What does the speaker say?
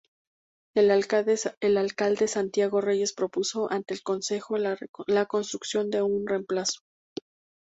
El alcalde Santiago Reyes propuso ante el consejo la construcción de un reemplazo.